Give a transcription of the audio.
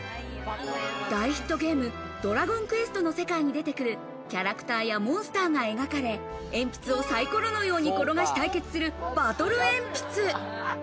大ヒットゲーム、ドラゴンクエストの世界に出てくるキャラクターやモンスターが描かれ、鉛筆をサイコロのように転がし対決する、バトルえんぴつ。